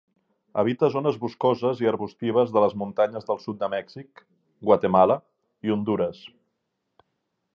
Habita zones boscoses i arbustives de les muntanyes del sud de Mèxic, Guatemala i Hondures.